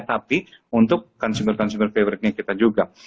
tapi untuk consumer consumer favorite nya kita juga